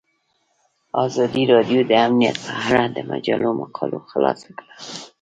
ازادي راډیو د امنیت په اړه د مجلو مقالو خلاصه کړې.